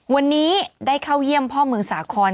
วันนี้ได้เข้าเยี่ยมพ่อเมืองสาคร